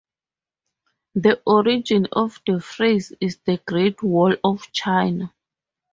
The origin of the phrase is the Great Wall of China.